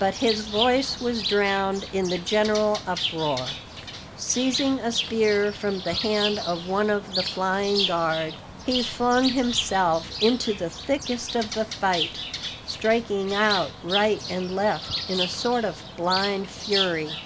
But his voice was drowned in the general uproar. Seizing a spear from the hand of one of the flying guard, he flung himself into the thickest of the fight, striking out right and left in a sort of blind fury.